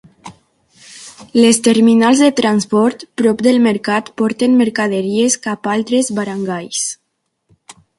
Les terminals de transport prop del mercat porten mercaderies cap a altres barangays.